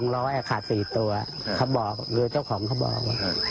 รวม๒๐๐ขาด๔ตัวเขาบอกคือเจ้าของเขาบอก